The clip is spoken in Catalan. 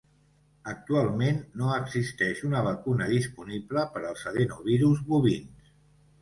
Actualment no existeix una vacuna disponible per als adenovirus bovins.